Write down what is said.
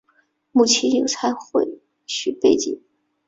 母亲有财会学背景。